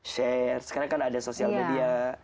share sekarang kan ada sosial media